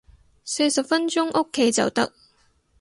四十分鐘屋企就得